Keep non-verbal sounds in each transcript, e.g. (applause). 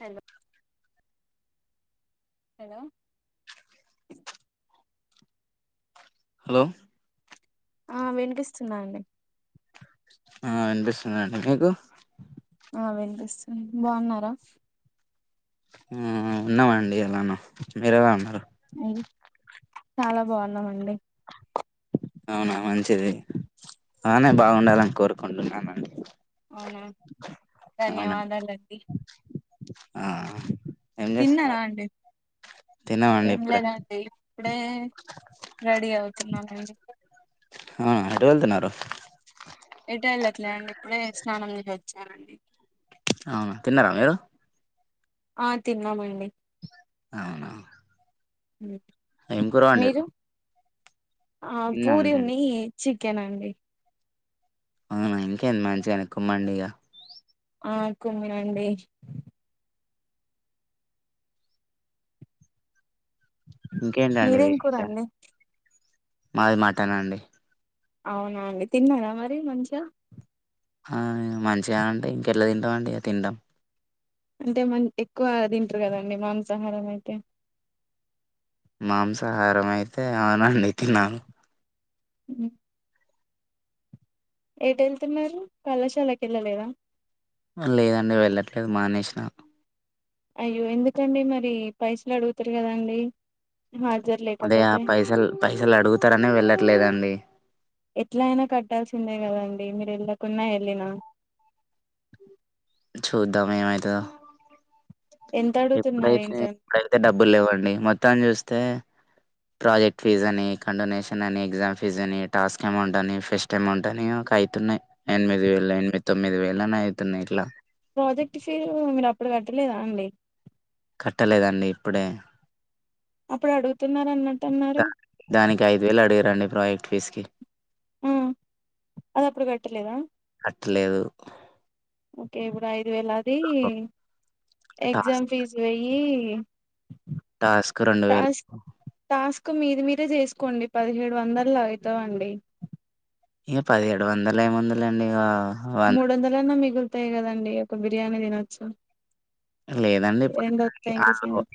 Hello hello hello ఆ విన్పిస్తూనండి. ఆ వినంబిసునండి. మీకు ఆ వినబిసుంద్ బావన్నారా. హు ఉన్నామండి ఎలానో మీర్ ఎలా ఉన్నారో అయ్ చాలా బావున్నామండి. అవునా మంచిది ఆమె బావుండాలని కోరుకుంటున్నానండి. అవునా ధన్యవాదలండి. ఆహా తిన్నారండి. తిన్నామండి ఏం ఇప్పుడే లేదండి ఇప్పుడే రెడీ అవుతున్నామండి. హా ఎటు వెళ్తున్నారు. ఎటు వెళ్ళట్లే అండి ఇప్పుడే స్నానం చేసి వచ్చానండి అవునా తిన్నారా మీరు ఆ తిన్నామండి. అవునా హు్ ఏం కూరవండిరు. ఆ పూరివుని చికెన్ అండి. అవునా ఇంకేంది మంచిగనే కుమ్మండిగా ఆ కుమ్మనండి. ఇంకేంటండి మీదేం కూర విశేషాలు అండి మాది మటనండి. అవునా అండి. తిన్నారా మరి మంచ్య ఆ మంచిగా అంటే ఇంకేట్లా తింటావండి తిండం. అంటే మన్ ఎక్కువ దీంట్రా కదండి మాంసాహారమైతే మాంసాహారం అయితే అవునండి తిన్నన్ హుహ్ ఎట్ ఏళ్తున్నారు కళాశాలక్ ఏళ్ళలేదా లేదండి వెళ్ళట్లేద్ మానేష్నా అయ్యో ఎందుకండి మరి పైసలు అడుగుతారు గదాండి. అదే ఆ పైసల్ పైసలు అడుగుతర్ అనే వెళ్ళట్లేదండి. ఎట్లైనా కట్టాల్సిందే గదాన్ మీ మీర్ ఏళ్ళకున్నా ఏళ్ళిన చూద్దాం ఏమైతదో ఎంత అడుగుతున్నారు ఎప్పుడైతే ఏంటండి ఎప్పుడైతే డబ్బుల్ లేవండి మొత్తం చూస్తే ప్రాజెక్ట్ ఫీజ్ అని, కండోనేషన్ అని ఎగ్జామ్ ఫీజ్ అని, టాస్క్ ఏమౌంట్ అని, ఫెస్ట్ ఏమౌంటానేవ్ కైతున్నాయ్ ఎనిమిద్ వేలు, ఎనిమిద్ తొమ్మిది వేలైనా అయితున్నాయ్ ఇట్లా ప్రాజెక్ట్ ఫీరు మీర్ అప్పుడు గట్టలేదా అండి. కట్టలేదండి. ఇప్పుడే అప్పుడు అడుగుతున్నారు అన్నట్టు అన్నారు దాన్ దానికి ఐదు వేలు అడిగారండి ప్రాజెక్ట్ ఫీస్కి ఉహ్ అది అప్పుడు గట్టిలేదా తుళ్లులేదు ఓకే ఇప్పుడ్ ఐదు వేల్ అది టాస్క్ ఎగ్జామ్ ఫీజు వేయి టాస్క్ రొండు వేల్ కు మీద్ మీరే జేసుకోండి. పదిహేడు వందలా అయితవండి. ఇగా పదిహేడు వందలు ఏముంది లేండి. ఇగా మూడోందాలన్న మిగుల్తాయ్ కదండి. ఒక బిర్యానీ దినొచ్చు. లేదండి. ఇప్పుడు దిసుకోడానికి అల్ ఓ సంగతి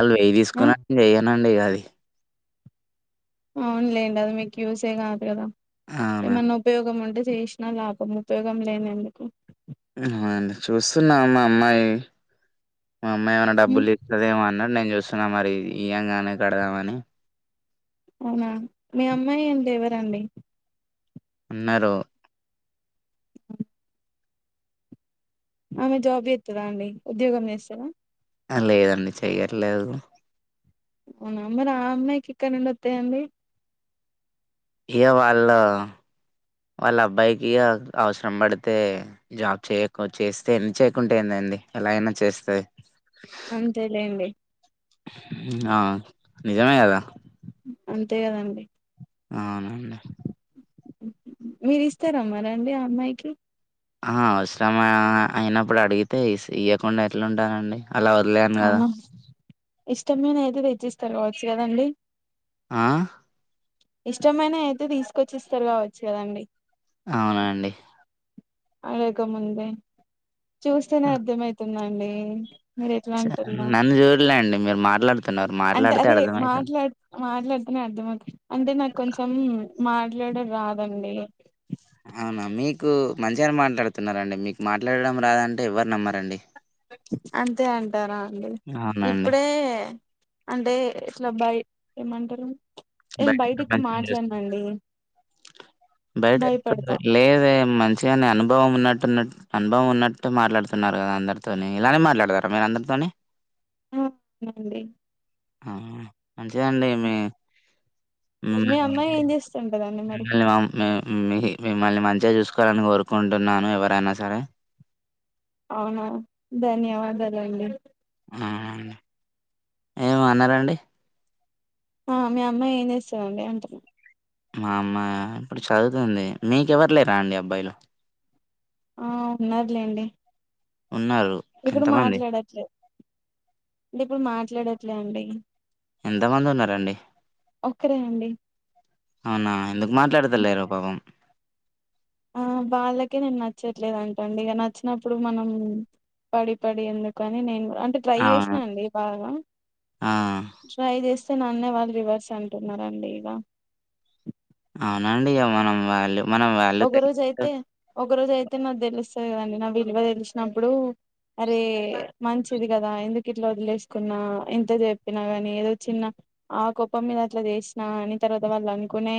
అల్ వేయి ఆ దిసుకొనండి ఏయనండి ఇగ అది. అవున్ లేండి. అది మీకు యూసే కాదు కదా అవునండి. ఏమన్నా ఉపయోగం ఉంటే జెశనా లాభం ఉపయోగం లేన్ ఎందుకు హు్వన్ చూస్తున్నామ్ మా అమ్మాయి మా అమ్మాయి ఏవన్నా ఉమ్ డబ్బుల్ జీతదేవనన్ నేన్ జుస్తున్నా మరి ఇయంగానే కడదావన్నీ అవునా మీ అమ్మాయి అంతర్ ఎవరండి ఉన్నారు ఆమె జాబ్ చేతదా అండి ఉద్యోగం చేస్తాదా ఆ లేదండి చెయ్యట్లేదు అవునా ఆ అమ్మాయికి ఎక్కడ నుండి వతాయండి ఇయ వాళ్ళ వాళ్ళ అబ్బాయికి అవసరం పడితే జాబ్ చేయకు చేస్తే ఎన్ చేయకుంటేందం అండి ఎలాయినా చేస్తాయ్ అంతే లేండి హ్మ్. ఆ! నిజమే కదా అంతే కదండి అవునండి మీరు ఇస్తారమ్మా రండి ఆ అమ్మాయికి ఆ అవసరం అయినప్పుడు అడిగితే ఇయ్యకుండా ఎట్లుంటనండి అలా వదిలేయను కదా ఇష్టం మీద అయితే తెచ్చిస్తారు కావచ్చు కదండి ఆ ఇష్టమైన అయితే తీసుకొచ్చిస్తారు కావచ్చు కదండి అవునండి అడగకముందే చూస్తేనే అర్థం అయితుందండి నన్ని చూడలే అండి మీరు మాట్లాడు అంటే అదే మాట్లాడు మాట్లాడు అని అర్థంవుతు అంటే నాకు కొంచెం మాట్లాడం రాదండి అవునా మీకు మంచిగానే మాట్లాడుతున్నారండి మీకు మాట్లాడడం రాదంటే ఎవరు నమ్మరండి అంతే అంటారా అండి అవునండి. ఇప్పుడే అంటే ఇట్ల బయ్ ఏమంటారు నేను బయట బయటకి ప్రపంచం చూస్తే మాట్లాడనండి బయట ఎ భయపడతా లేదే మంచిగానే అనుభవం ఉన్నట్ టున్నట్ అనుభవం ఉన్నట్టు మాట్లాడుతున్నారు కదా అందరితోని ఇలానే మాట్లాడతారా మీరు అందరితోని ఆ నండి ఆ మంచిదండి మీ హ్మ్ మీ అమ్మాయి ఏం చేస్తుంటదండి మరి (unintelligible) మీ మిమ్మల్ని మంచిగా చూసుకోవాలని కోరుకుంటున్నాను ఎవరైనా సరే అవునా ధన్యవాదాలండి అవునండి ఏమో అన్నరండి ఆ మీ అమ్మాయి చేస్తది అంటున్నా మా అమ్మయా ఇప్పుడు చదువుతుంది మీకెవరు లేరా అండి అబ్బాయిలు ఆ ఉన్నారులేండి ఉన్నారు. ఇప్పుడు ఎంతమంది మాట్లాడట్లే ఇప్పుడు మాట్లాడట్లే అండి ఎంతమంది ఉన్నారండి ఒక్కరే అండి అవునా ఎందుకు మాట్లాడతలేరు పాపం ఆ వాళ్ళకే నేను నచ్చట్లేదు అంటండి ఇగ నచ్చినప్పుడు మనం పడి పడి ఎందుకని నేను గుడ్ అంటే ట్రై అవును. చేసనా అండి బాగా ఆ! ట్రై చేస్ చ నన్నే వాళ్ళు రివర్స్ అంటున్నారండి ఇలా అవునా అండి ఇగ మనం వాల్యూ మనం వాల్యూ ఒక రోజు తెలీకా అయితే ఒక రోజు అయితే నాకు తెలుస్తది కదండి నా విలువ తెలిసినప్పుడు అరే మంచిది కదా ఎందుకు ఇట్లా వదిలేసుకున్నా ఎంత చెప్పినా కాని ఏదో చిన్న ఆ కోపం మీద అట్లా చేసినా అని తర్వాత వాళ్ళు అనుకోనే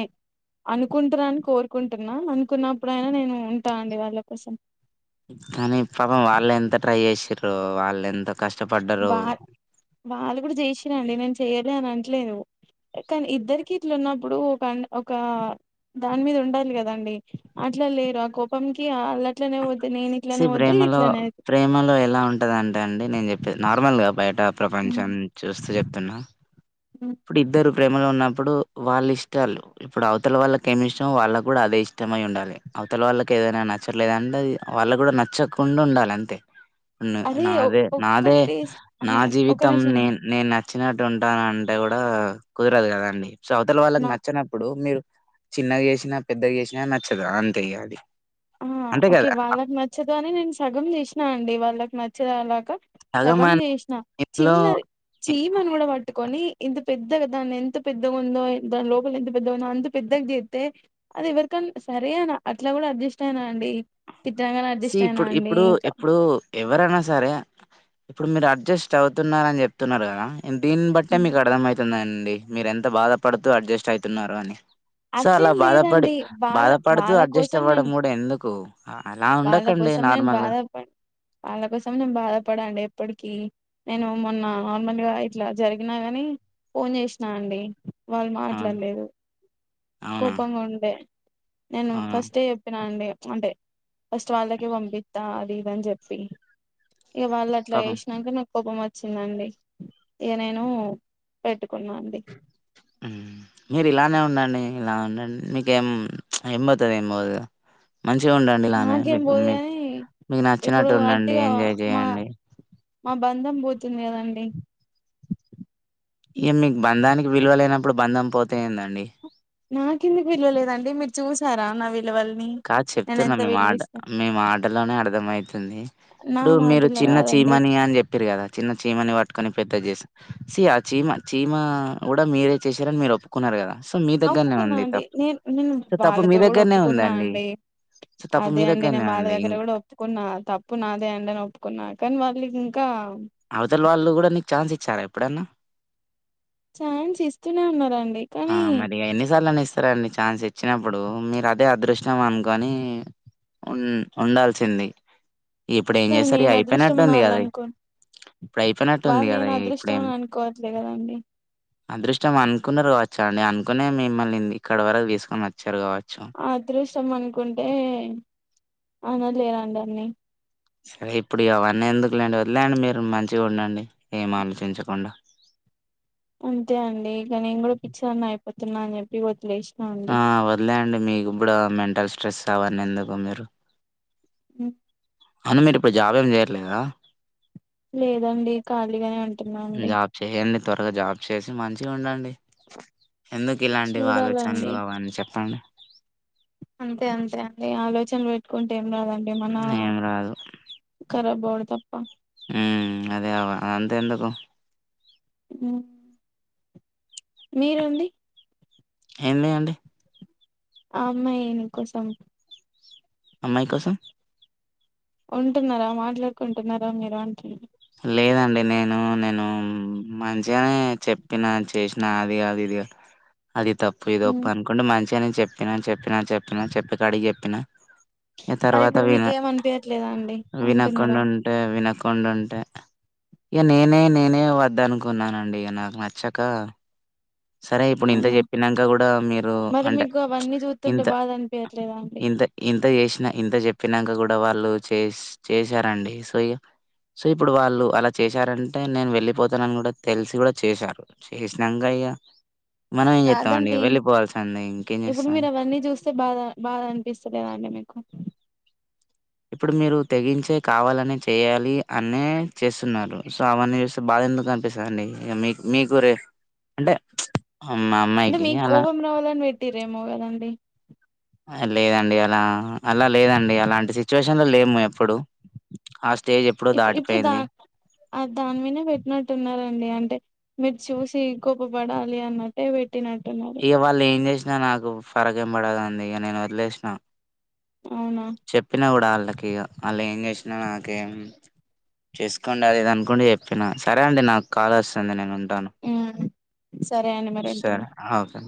అనుకుంటున్నారాని కోరుకుం టున్నా అనుకున్నప్పుడుయినా నేను ఉంటా అండి వాళ్ళ కోసం కానీ పాపం వాళ్ళు ఎంత ట్రై చేసిరో వాళ్ళు ఎంత కష్టపడ్డారు ఇప్పుడు చేసాండి నేను చెయ్యాలి అని అట్లేదు కానీ ఇద్దరికి ఇట్లు ఉన్నప్పుడు ఒక ఒక దాని మీద ఉండాలి కదండి అట్లా లేరు ఆ కోపంకి ఆ స ప్రేమలో ప్రేమలో ఎలా ఉంటదంటే అండి నేను చెప్ నార్మల్ గా బయట ప్రపంచం చూస్తూ చెప్తున్నా ఇప్పుడు ఇద్దరు ప్రేమలో ఉన్న ఇప్పుడు వాళ్ళు ఇష్టాలు ఇప్పుడు అవతల వాళ్ళ కెమిష్టం వాళ్ళ కూడా అదే ఇష్టమై ఉండాలి అవతల వాళ్ళకి ఏదనా నచ్చట్లేదు అంటే అది వాళ్ళ కూడా నచ్చకుండా ఉండాలి అంతే అరే ఒ- నాదే నాదే ఒక్కరు టేస్ట్ నా ఆహా ఒక జీవితం నిమిషం నే నేను న నచ్చినట్టు ఉంటానంటే కూడా కుదరదు కదండి సో అవతల వాళ్ళకి నా నచ్చినప్పుడు మీరు చిన్నగా చేసినా పెద్దగా చేసినా నచ్చదు అంతేగా అది ఉ అంతే ఓకే కదా వాళ్ళకి నచ్చదు అని నేను సగం తీసినా అండి వాళ్ళకి నచ్చదు అలాగా సగం చేసిన మందిలో చిన్న చీమను కూడా పట్టుకొని ఇంత పెద్దగా దాని ఎంత పెద్ద ఉందో దాని లోపలి ఎంత పెద్దగా ఉందో అంత పెద్దగా చేతే అది ఎవరిక సరే అనా అట్లా కూడా అడ్జస్ట్ అయినా అండి తిట్టనంగానే సీ అడ్జస్ట్ అయినా ఇప్పుడు అండి ఇప్పుడు ఇంకా ఇప్పుడు ఎవరైనా సరే ఇప్పుడు మీరు అడ్జస్ట్ అవుతున్నార అని చెప్తున్నారు కదా దీని బట్టే ఉమ్. మీకు అర్థమవుతందన్ డి మీరెంత బాధపడుతూ అడ్జస్ట్ అయితున్నారు అని సో అలా అట్లేం బాధపడి లేదండి వాళ్ళ బాధపడుతూ వాళ్ళ అడ్జస్ట్ కోసం అవ్వడం నేను కూడా ఎందుకు అ- అలా వాళ్ళ ఉండకండి కోసం నేను నార్మల్గా బాధప వాళ్ళ కోసం నేను బాధపడండి ఎప్పటికిీ నేను మొన్న నార్మల్గా ఇట్లా జరిగినా గాని ఫోన్ చేసినా అండి వాళ్ళు ఆ! మాట్లాడలేదు అవునా కోపంగా ఉండే నేను అవునా ఫస్టే చెప్పినా అండి అంటే ఫస్ట్ వాళ్ళకి పంపిస్తా అది ఇదని చెప్పి ఇక వాళ్ళు అట్లా పాపం వేసినాక నాకు కోపం వచ్చిందండి ఇగ నేను పెట్ మీరు ఇలానే ఉండండి ఇలా ఉండండి నీకేం ఏం పోతది ఏం పోదు కదా మంచిగా ఉండండి ఇలానే నాకేం మీకు పోదు మీ కాని మీకు ఇప్పుడు నచ్చినట్టు ఉండండి అట్టిగా ఎంజాయ్ మా చేయండి మా బంధం పోతుంది కదండి ఇ మీకు బంధానికి విలువ లేనప్పుడు బంధం పోతేందండి నాకెందుకు విలువ లేదండి మీరు చూసారా నా విలు కాదు చెప్తున్నాం మేము మాట మేము మాటలోనే అర్థం అయితుంది నా ఇప్పుడు మీరు మాటలు చిన్న చి కాదండి చీమని అని చెప్పిరు కదా చిన్న చీమని పట్టుకొని పె జ చేస్ ఆ చీమ చీమ కూడా మీరే చేశారని మీరు ఒప్పుకున్నారు కదా సో మీ ఆ దగ్గరనే ఒప్పుకున్నా ఉంది అండి తప్పు నేను నేను సో తప్పు మీ వాళ్ళతో కూడా దగ్గరనే ఒప్పుకున్నా అన్ ఉందండి సో తప్పు అదే మీ అండి దగ్గరనే నేను వాళ్ళ ఉంది ఇం దగ్గర కూడా ఒప్పుకున్నా తప్పు నాదే అండి అని ఒప్పుకున్నా కానీ వాళ్ళు ఇంకా అవతల వాళ్ళు కూడా నీకు ఛాన్స్ ఇచ్చారా ఎప్పుడన్నా ఛాన్స్ ఇస్తూనే ఉన్నారండి కానీ సరేండి ఛాన్స్ ఇచ్చినప్పుడు మీరు అదే అదృష్టం అనుకొని ఉ ఉండాల్సింది ఇప్పుడు ఏం కానీ చేసారు నేను అదృష్టం అయిపోయినట్టుంది అనాలి కదా అనుకోను ఇప్పుడు అయిపోయినట్టు ఉంది వాళ్ళు కదా నేను అదృష్టం ఇప్పుడేం అని అనుకోవట్లే కదండి అదృష్టం అనుకున్నారు కావచ్చా అండి అనుకునే మిమ్మల్ని ఎక్కడి వరకు తీసుకొని వచ్చారు కావచ్చు అదృష్టం అనుకుంటే అన లేరండి అన్ని సరే ఇప్పుడు అవన్నీ ఎందుకులేండి వదిలేండి మీరు మంచిగా ఉండండి ఏం ఆలోచించకుండా అంతే అండి ఇక నేను కూడా పిచ్చోని అయిపోతున్నా అని చెప్పి వదిలేస్ ఆ వదిలే అండి మీకిప్పుడు మెంటల్ స్ట్రెస్ అవన్ని ఎందుకు మీరు ఉ అవును మీరు ఇప్పుడు జాబ్ ఏం చేయట్లేదా లేదండి ఖాళీగానే అంటున్నా అండి జాబ్ చేయండి త్వరగా జాబ్ చేసి మంచిగా ఉండండి ఎందుకు ఇలాంటివి చూడాలండి ఆలోచనలు అవని చెప్పండి అంతే అంతే అండి ఆలోచనలు పెట్టుకుంటే ఏం రాదండి మన ఏం కార బోడ్ చెప్ప హం అదే అవ అదంతా ఎందుకు ఉ మీరండి ఏం లేయంండి అమ్మాయినికోసం అమ్మాయి కోసం ఉంటున్నారా మాట్లాడుకుంటున్నారా మీరు అంట లేదండి నేను నే నేను మంచిగానే చెప్పిన చేసిన అది కాదు ఇది అది తప్పు ఇదిొప్పు అనుకుంటే మంచిగా నేను చెప్పినా చెప్పినా చెప్పినా చెప్పి కాడికి చెప్పినా ఈ మరి తర్వాత ఇప్పుడు విన మీకు ఏం అనిపియట్లేదా అండి ఉంటున్నారా వినకుండా ఉంటే వినకుండా ఉంటే ఇగ నేనే నేనే వద్ద అనుకున్నానండి ఇ నాకు నచ్చక సరే ఇప్పుడు ఇంత అవునా చెప్పినాక కూడా మీరు మరి అంటే మీకు అవన్నీ చూస్తుంటే ఇంత బాధ అనిపియట్లేదా అండి ఇంత ఇంత చేసినా ఇంత చెప్పినాక కూడా ఇ వాళ్ళు చే చేసారండి సో ఇ సో ఇప్పుడు వాళ్ళు అలా చేశారంటే నేను వెళ్ళిపోతానని కూడా తెలిసి కూడా చేశారు చేసినాక ఇగ మనం ఏం చెస్తామండి కాదండి వెళ్లి పోవల్సింది ఇప్పుడు మీరు అవన్నీ చూస్తే బాధ బాధ అనిపిస్తలేదాండి మీకు ఇప్పుడు మీరు తెగించే కావాలని చేయాలి అనే చేస్తున్నారు సో అవన్నీ చూస్తే బాధ ఎందుకు కనిపిస్తందిండి ఇక మీ మీకు రే అంటే మా అంటే అమ్మాయికి మీకు అలా కోపం రావాలని పెట్టిరేమోకదండి లేదండి అలా అలా లేదండి అలాంటి సిచ్యువేషన్లు లేము ఎప్పుడు స్టేజ్ ఎప్పుడో ఇప్పుడు ఇప్పుడు దా దాటిపోయింది దాని మీద పెట్టినట్టున్నారండి అంటే మీరు చూసి గొప్ప పడాలి అన్నట్టేట్ ఇక వాళ్ళు ఏం చేసినా నాకు ఫరక ఏం పడదు అం ఇక నేను వదిలేసినా అవునా చెప్పినా కూడా వాళ్ళకి వాళ్ళు ఏం చేసినా నాకేం చేసుకోండి అ ఇది అనుకుంటే చెప్పినను సరే అండి నాకు కాల్ వస్తుంది నేను ఉమ్. సరే అండి మరి ఉంటున్నా సరే అవుకే